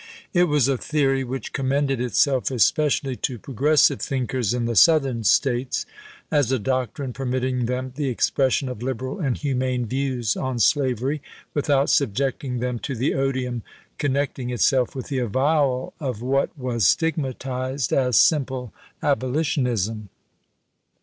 It was a theory which commended itself especially to progressive thinkers in the Southern States, as a doctrine permitting them the expres sion of liberal and humane views on slavery, with out subjecting them to the odium connecting itself with the avowal of what was stigmatized as simple abolitionism.